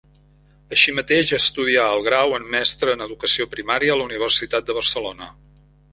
Així mateix, estudià el Grau en Mestre en Educació Primària a la Universitat de Barcelona.